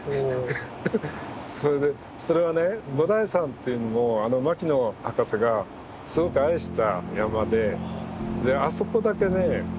それはね五台山っていうのも牧野博士がすごく愛した山であそこだけね